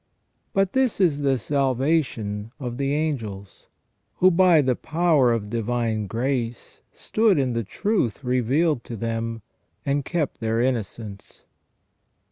* But this is the salvation of the angels, who by the power of divine grace stood in the truth revealed to them, and kept their innocence.